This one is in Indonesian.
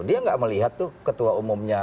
dia nggak melihat ketua umumnya